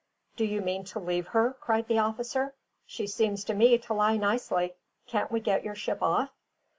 "Do you mean to leave her?" cried the officer. "She seems to me to lie nicely; can't we get your ship off?"